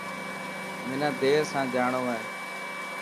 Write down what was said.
منا دير سان جاڻو هي.